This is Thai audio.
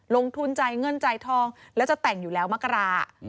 ลงทุนใจเงื่อนใจทองแล้วจะแต่งอยู่แล้วมะกะลา